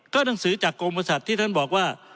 หนังสือจากกรมบริษัทที่ท่านบอกว่า